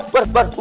iya buat buat buat